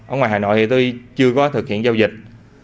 ở ngoài hà nội thì tôi chưa có thực hiện giao dịch